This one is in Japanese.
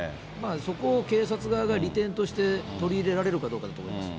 そこを警察側が利点として取り入れられるかどうかだと思います。